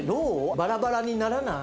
バラバラにならない？